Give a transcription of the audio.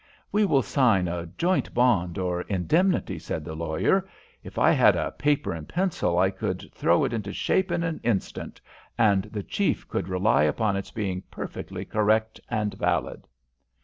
"We will sign a joint bond or indemnity," said, the lawyer. "If I had a paper and pencil I could throw it into shape in an instant, and the chief could rely upon its being perfectly correct and valid."